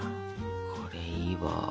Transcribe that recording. これいいわ。